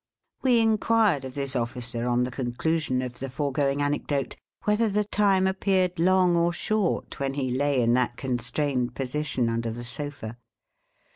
We inquired of this officer, on the conclu son of the foregoing anecdote, whether the time appeared long, or short, when he lay in that constrained position under the sofa